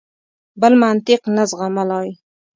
بل منطق نه زغملای.